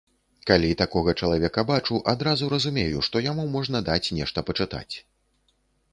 Калі такога чалавека бачу, адразу разумею, што яму можна даць нешта пачытаць.